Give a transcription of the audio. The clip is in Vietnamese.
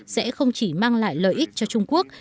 sẽ không chỉ mang lại lợi ích cho trung quốc